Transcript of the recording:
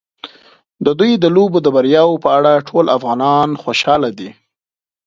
د دوی د لوبو د بریاوو په اړه ټول افغانان خوشاله دي.